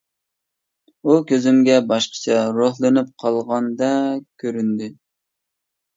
ئۇ كۆزۈمگە باشقىچە روھلىنىپ قالغاندەك كۆرۈندى.